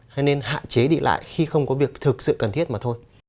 hay nên hạn chế đi lại khi không có việc thực sự cần thiết mà thôi